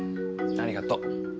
ありがと。